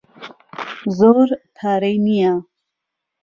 زۆر پارەی نییە.